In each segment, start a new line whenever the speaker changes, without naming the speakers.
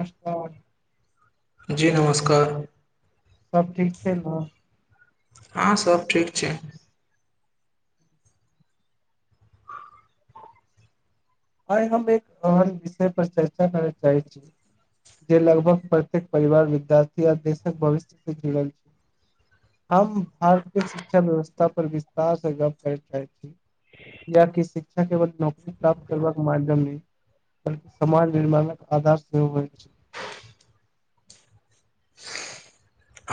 अ
जी नमस्कार
सब ठीक छै ने
हँ सब ठीक छै
आइ हम एक आओर विषय पर चर्चा करय चाहै छी जे लगभग प्रत्येक परिवार विद्यार्थी आ देशक भविष्य से जुड़ल छै हम भारत के शिक्षा व्यवस्था पर विस्तार से गप करे चाहै छी किया की शिक्षा केवल नौकरी प्राप्त करे क माध्यम समाज निर्माणक आधार सेहो होई छै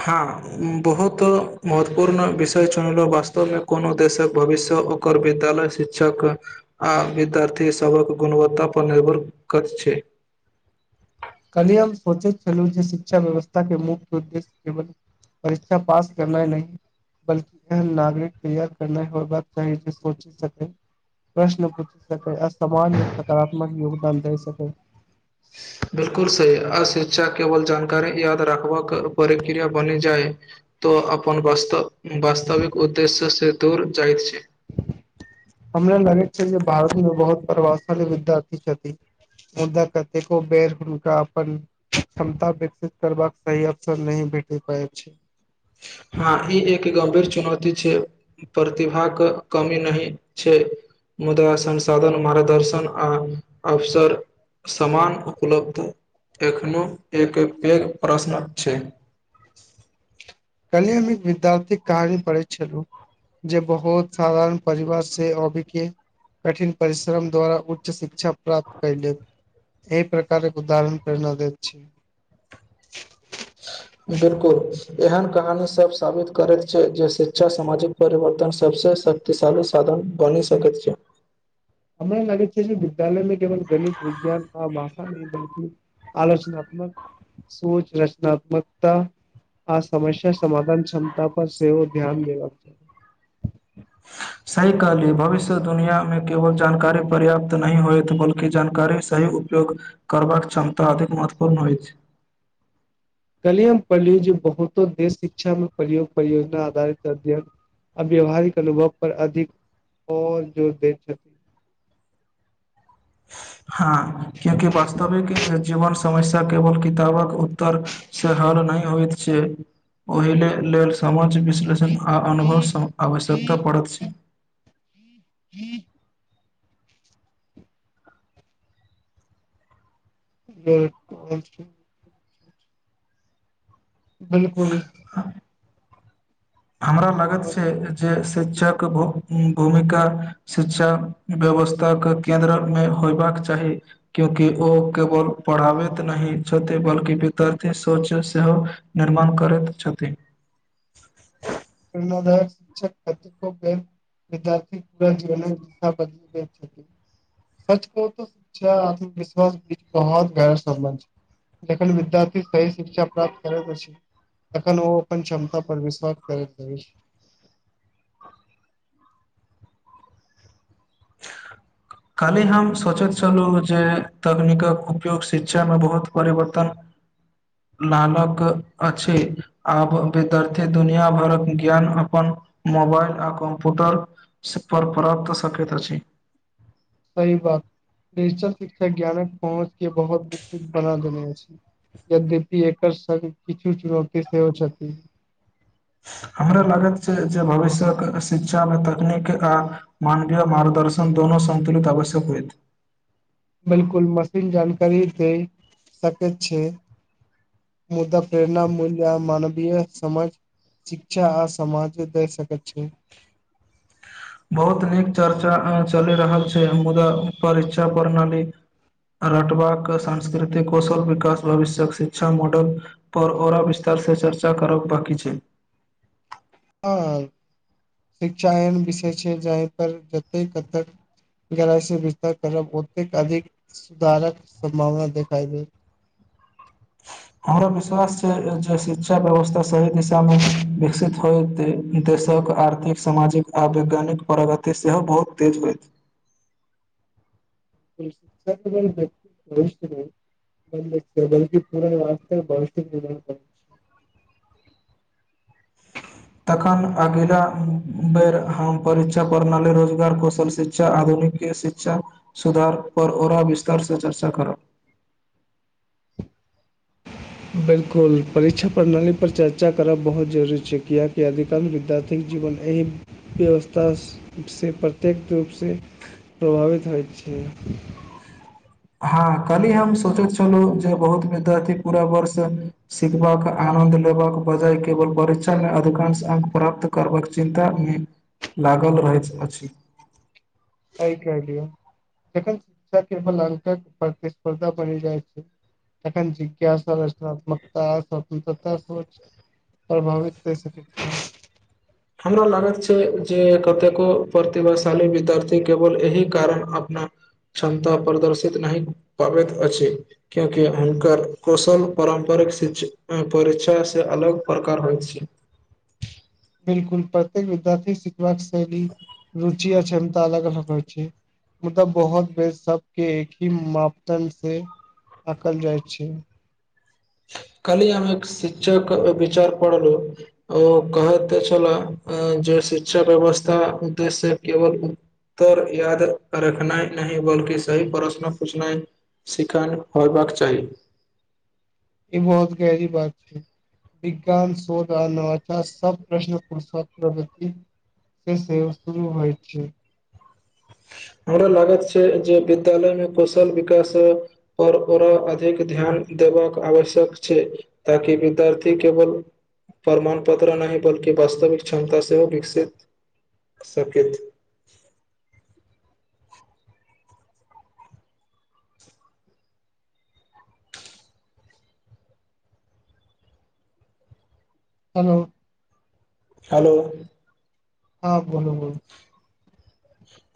हँ बहुत महत्वपूर्ण विषय चुनलहुँ वास्तवमे कोनो देशक भविष्य ओकर विद्यालय छै शिक्षक आ विद्यार्थी सभक गुणवत्ता पर निर्भर करत छै
कनि हम सोचैत छलहुँ जे शिक्षा व्यवस्था के मुख्य उद्देश्य केवल परीक्षा पास करनाए नहि बल्कि एहन नागरिक तैयार करना होयबाक चाही जे सोची सकै प्रश्न पूछि सकै आ समाजमे सकारात्मक योगदान दे सकै
बिलकुल सी अशिक्षा केवल जानकारी याद रखबाक प्रक्रिया बनि जाय तो अपन वस्त वास्तविक उद्देश्य से दूर जाइ छै
हमरा लगैत छै जे भारत मे बहुत प्रभावशाली विद्यार्थी छथि मुदा कतेको बेर हुनका अपन क्षमता विकसित करबाक सही अवसर नहीं भेटे पायब छै
हँ ई एक गंभीर चुनौती छै प्रतिभाके कमी नहि छै मुदा संसाधन मार्गदर्शन आ अवसर समान उपलब्ध एखनो एक पैघ प्रश्न छै
कली हम एक विद्यार्थी कहानी पढ़ैत छलु जे बहुत साधारण परिवार से अवय के कठिन परिश्रम द्वारा उच्च शिक्षा प्राप्त कर लेब एहि प्रकारे उदाहरण प्रेरणा देैत छै
[unintelligible] बिलकुल एहन कहानी सब साबित करैत छै जे शिक्षा सामाजिक परिवर्तन सबसँ तऽ सारो साधन बनी सकत छै
हमरा लागे छै विद्यालय मे केवल गणित विज्ञान आ भाषा न बल्कि आलोचनात्मक सोच रचनात्मकता आ समस्या समधान क्षमता पर सेहोव ध्यान देबाक
[inaudible] सही कहलिय भविष्य दुनियामे केवल जानकारी पर्याप्त नहि होएत बल्कि जानकारी से तनी उपयोग करबाक क्षमता अधिक महत्वपूर्ण होइछ
कलिय पन्डीजी बहुतो देश शिक्षा मे परियोज परियोजना आधारित अध्ययन अ व्यावहारिक अनुभव पर अधिक और जोर देत हेत
हँ क्योकि बास्त तविके जीवन समस्या केवल किताबक उत्तर से हल नहि होइत छै ओहि लेल समाज विश्लेषण आ अनुभव आवश्यकता पड़त छै
[unintelligible] [unintelligible] बिलकुल
हमरा लागत छै जे शिक्षक भूमिका शिक्षा व्यवस्थाक के केन्द्रक मे होयबाक चाही क्यूकि ओ केवल पढ़ाबैत नहि छथित बल्कि विद्यार्थी सोच सेहो निर्माण करैत छथिन
प्रेरणादायक [unintelligible] विद्यार्थी पूरा जीवनक दिशा बदलि रहल छथि [unintelligible] सच को तऽ शिक्षा आत्मविश्वास बीच बहुत गहर सम्बन्ध छै जखन विद्यार्थी सह शिक्षा प्राप्त करै प तखन ओ अपन क्षमता पर विश्वास त [unintelligible]
[unintelligible] कालहि हम सोचैत छलहु जे तकनीकक उपयोग शिक्षा मे बहुत परिवर्तन [inaudible] लालक अछि आब विद्यार्थी दुनिया भरक ज्ञान अपन मोबाइल आ कॉम्प्यूटर पर प्राप्त शकत अछि
सही बात डिजिटल शिक्षा ज्ञानक पहुँच के बहुत विकसित बना देने अछि यद्यपि एकर संग किछु चुनौती सेहो छथि
हमरा लागैत छै जे भविष्य्यक शिक्षामे तकनीक आ मानवीय मार्गदर्शन दोनो सन्तुलित आवश्यक होएत
बिलकुल मशीन जानकारी दय सकैत छै मुद्दा प्रेरणा मूल्य मानवीय समाज शिक्षा आ समाजे दै सकैत छै
बहुत नीक चर्चा चलि रहल छै मुदा परीक्षा प्रणाली रटवा सांस्कृतिक कौशल विकास भविष्यक शिक्षा मॉडल पर औररा विस्तार से चर्चा करब बाकी छै
ह शिक्षा एहन विषय छै जहि पर जते कतक विस्त करब ओतेक अधिक सुधारक सम्भावना देखाई दे
[inaudible] हमरा विश्वास छै जे शिक्षा व्यवस्था सही दिशामे विकसित होइ देशक आ आथिक सामाजिक आ वैज्ञानिक प्रगति सेहो बहुत तेज होइत
िक्यक्त [inaudible] बलि पूरा वास भवि्य निर्मा कर [unintelligible]
तखन अगिला बेर हम परीक्षा प्रणाली रोजगार कौशल शिक्षा आधुनिक शिक्षा सुधार पर ओरा विस्तार से चर्चा करब
बिलकुल परीक्षा प्रणाली पर चर्चा करब बहुत जरूरी छै कियाकि अधिकांश विद्यार्थी जीवन एहि व्यवस्थासँ प्रत्येक रूपसँ प्रभावित होइत छै।
हँ, कहली हम सोचैत छलहुँ जे बहुत विद्यार्थी पूरा वर्ष सिखबाक, आनन्द लेबाक बजाय केवल परीक्षामे अधिकांश अंक प्राप्त करबाक चिन्तामे लागल रहैत अछि
एहि के लिअ, जखन शिक्षा केवल अंक प्रतिस्पर्धा बनि जाइ छै तखन जिज्ञासा रचनात्मकता, स्वतन्त्रता सेहो अछि। प्रभावित कहै सकैत छियै।
हमरा लागत छै जे कतेको प्रतिभाशाली विद्यार्थी केवल एहि कारण अपना क्षमता प्रदर्शित नहि कऽ पाबैत अछि। किएकि हुनकर कौशल पारम्परिक परीक्षासँ अलग प्रकार होइत छै।
बिल्कुल, प्रत्येक विद्यार्थी सीखबाक शैली, रुचि अआ क्षमता अलग-अलग होइ छै। मुदा बहुत बेर सबके एकही मापदण्डसे आंकल जाइ छै।
कनि अहाँ [unintelligible] शिक्षक विचार पढिलू! ओ कहै तऽ छलऽ जे शिक्षा व्यवस्था उद्देश्य केवल उत्तर याद रखनाइ नहि बल्कि सही प्रश्न पूछनाइ [unintelligible] होयबाक चाही
ई बहुत गहरी बात छै। विज्ञान, शोध आ नवाचार सब प्रश्न [unintelligible] [unintelligible] शुरू होइ छै
हमरा लागत छै जे विद्यालयमे कौशल-विकास आओर ओरा अधिक ध्यान देबाक आवश्यक छै। ताकि विद्यार्थी केवल प्रमाण पत्र नहि बल्कि वास्तविक क्षमता सेहो विकसित कऽ सकथि।
हेलो!
हेलो!
हँ, बोलू बोलू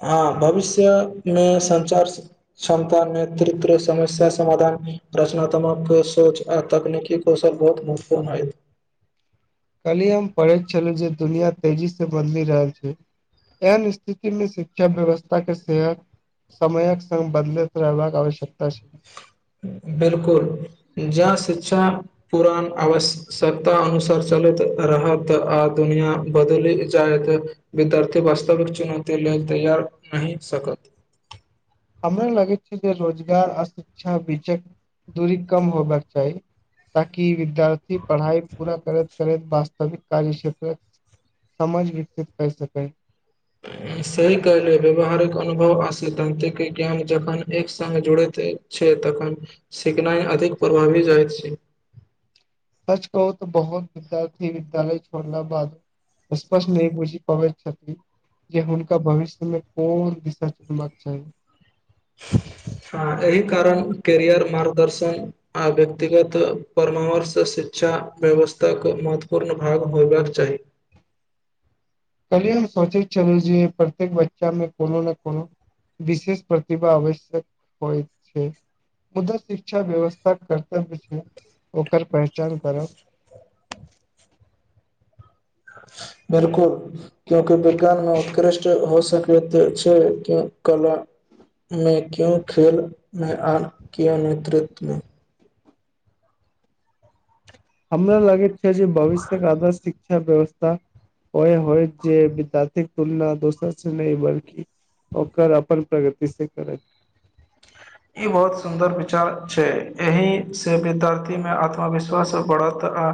हँ भविष्यमे संचारसँ क्षमता, नेतृत्व, समस्या-समाधान, रचनात्मक सोच आ तकनीकि ओ सब बहुत महत्वपूर्ण अछि
काल्हिए हम पढ़ैत छलहु जे दुनिया तेजीसे बदलि रहल छै। एहन स्थितिमे शिक्षा व्यवस्थाके सेहत समयक संग बदलैत रहबाक आवश्यकता छै।
बिल्कुल, जँ शिक्षा पुरान अवश्य -कत्ता अनुसार चलैत रहत आ दुनया बदलि जायत विद्यार्थी वास्तविक चुनौती लेल तैयार नहि भऽ सकत,
हमरा लगै छै जे रोजगार आ शिक्षा बीचक दूरी कम होबाक चाही, ताकि विद्यार्थी पढ़ाइ पूरा करैत- -करैत वास्तविक कार्य क्षेत्रक समझ विकसित करि सकै।
सही कहलियै, व्यवहारिक अनुभव आ सिद्धांतिक ज्ञान जखन एक संग जुड़ैत अइ छै तखन सिखनाइ अधिक प्रभावी भऽ जाइत छै।
सच कहू तऽ बहुत विद्यार्थी विद्यालय छोड़ला बाद स्पष्ट नहि बुझि पबैत छथि जे हुनका भविष्यमे कोन [unintelligible] छै
हँ, एहि कारण कैरियर मार्गदर्शन आ व्यक्तिगत परामर्श शिक्षा-व्यवस्थाक महत्वपूर्ण भाग होयबाक चाही।
कलिये हम सोचै छेलौं जे प्रत्येक बच्चामे कोनो ने कोनो विशेष प्रतिभा आवश्यक होइत छै मुदा शिक्षा व्यवस्थाक कर्तव्य छै ओकर पहचान करब
बिल्कुल क्योकि विज्ञान मे उत्कृष्ट हो सख कि ओते छै केँ कला मे क्यों खेलमे आ क नेतृत्वमे
हमरा लागैत छै जे भविष्य के आदर्श शिक्षा व्यवस्था ओहि होयत जे वितातिक तुलना दोशर से नै बल्कि ओकर अपन प्रगति से करत
ई बहुत सुन्दर विचार छै एहिसँ विद्यार्थीमे आत्मविश्वास बढ़त आ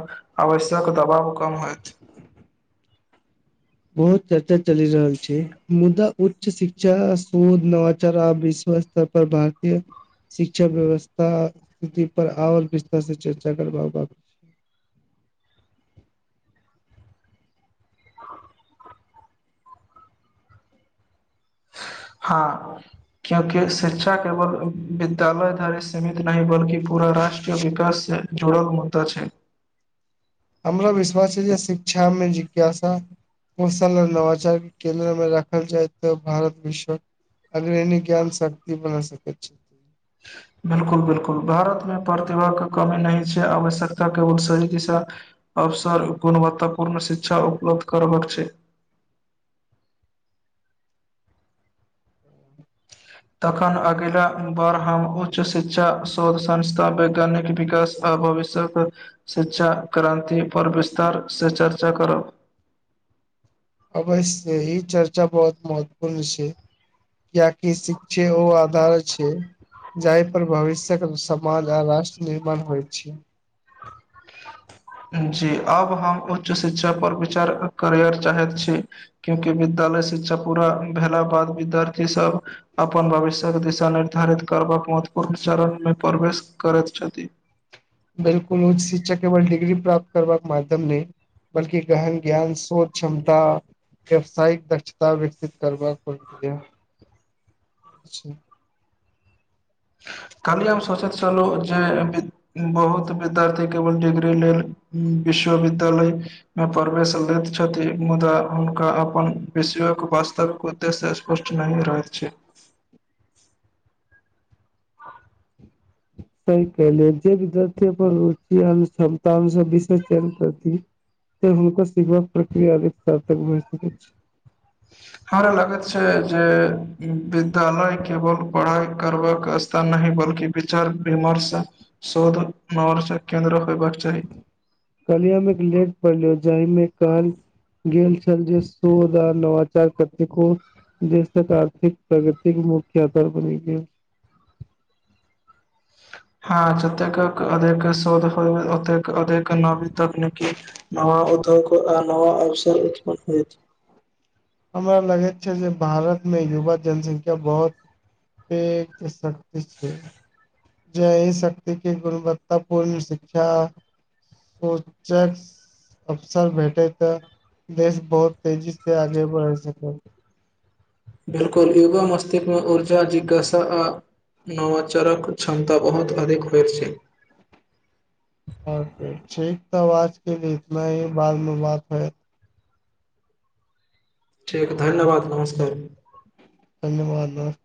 आवश्यक दबाव कम होयत
बहुत चर्चा चलि रहल छै मुदा उच्च शिक्षा शोध नवाचार आ विश्वास तर पर भारतीय शिक्षा व्यवस्था स्थिति पर आओर विस्तार से चर्चा करबाबक
हँ क्योंकि शिक्षा केवल विद्यालय तक सीमित नहि बल्कि पूरा रष्ट्रीय विकास से जुड़ल मुद्दा छै
हमरा विश्वास छै जे शिक्षामे जिज्ञासा कौशल नवाचार के केन्द्र मे राखल जाय तऽ भारत विश्वक अग्रणी ज्ञान शक्ति बन सकैत छै
[inaudible] बिलकुल बिलकुल भारत मे प्रतिभाक के कमी नहि छै आवश्यकता केवल सही दिशा अवसर गुणवत्तापूर्ण शिक्षा उपलब्ध करबक छै तखन अगिला बार हम उच्च शिक्षा शोध संस्था वैज्ञानिक विकास आ भविष्य यक शिक्षा क्रान्ति पर विस्तार से चर्चा करब
अवश्य ही चर्चा बहुत महत्वपूर्ण छै कियाकि शिक्षे ओ आधार छै जाहि पर भविष्यक समाज आ राष्ट्र निर्माण होइत छै
जी अब हम उच्च शिक्षा पर विचार करयर चाहैत छी क्योंकि विद्यालय शिक्षा पूरा भेला बाद विद्यार्थी सब अपन भविष्यक दिशा निर्धारित करबाक महत्वपूर्ण चरणमे प्रवेश करैत छथि
बिल्कुल उच्च शिक्षा केवल डिग्री प्राप्त करबाक माध्यम नै बल्कि गहन ज्ञान सोच क्षमता व्यवसायिक दक्षता विकसित करबाक प्रकिया
काल्हि हम सोंचैत छलू जे बिद बहुत विद्यार्थी केवल डिग्री लेल विश्वविद्यालय मे प्रवेश लैत छथि मुदा हुनका अपन विषयक वास्तविक उद् देश स्पष्ट नहि रहैत छै
सही कहलियै जे विद्यार्थी अपन रुचिअन क्षमतान सँ विषय चयन करती से हुनको सीखबाक प्रक्रिया अधिक साल तक भए सकैत छै
हमरा लागैत छै जे विद्यालय केवल पढ़ाइ करबाक स्थान नहि बल्कि विचार विमर्श शोध नर से केन्द्र होयबाक चाही
कलहि हम एक लेख पड़लियौ जाहिमे कहल गेल छल जे शोध आ नवाचार कतेको देशक आर्थिक प्रगतिक मुख्य आधार बनी गेल
हँ जतेक अधिक शोध होइए ओतेक अधिक नवी तकनीकी नवा उद्योग आ नवा अवसर उत्पन्न होयत
हमरा लगैत छै जे भारतमे युवा जनसंख्या बहुत शक्ति छै जै हि शक्ति के गुणवत्तापूर्ण शिक्षा सूचक अफसर भेटे त देश बहुत तेजी से आगे बढ़ सकत
बिलकुल युगा मस्तिष्क मे ऊर्जा जिज्ञासा आ नवाचारक क्षमता बहुत अधिक हो छै
आ ठीक त आज के लि इतना ही बाद मे बात है
ठीक धन्यवाद नमस्कार
धन्यवाद नमस्कार